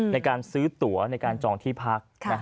ในการซื้อตัวในการจองที่พัก